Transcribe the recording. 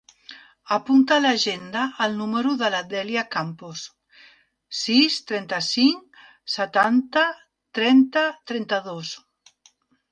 Apunta a l'agenda el número de la Dèlia Campos: sis, trenta-cinc, setanta, trenta, trenta-dos.